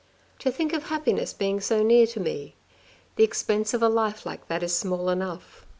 " To think of happiness being so near to me — the expense of a life like that is small enough.